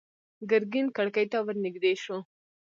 ګرګين کړکۍ ته ور نږدې شو.